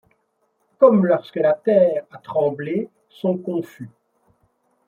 Comme, lorsque la terre a tremblé, sont confus